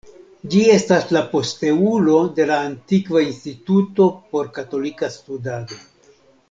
Ĝi estas la posteulo de la antikva Instituto por Katolika Studado.